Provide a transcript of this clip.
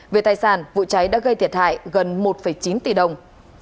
về tài sản vụ cháy đã gây thiệt hại gần một chín tỷ đồng